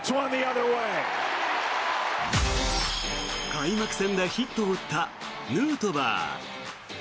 開幕戦でヒットを打ったヌートバー。